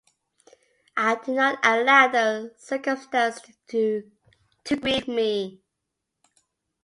I did not allow that circumstance to grieve me.